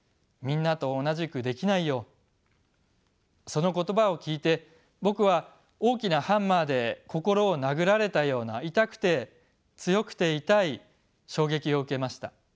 その言葉を聞いて僕は大きなハンマーで心を殴られたような痛くて強くて痛い衝撃を受けました。